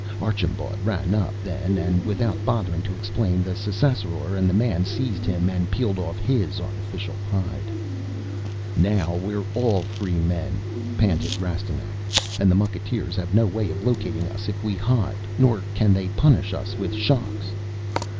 Archambaud ran up then and, without bothering to explain, the Ssassaror and the Man seized him and peeled off his artificial hide. "Now we're all free men!" panted Rastignac. "And the mucketeers have no way of locating us if we hide, nor can they punish us with shocks."